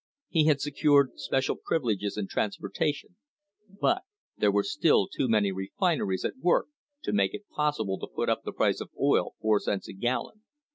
He had secured special privi leges in transportation, but there were still too many refineries at work to make it possible to put up the price of oil four cents a gallon.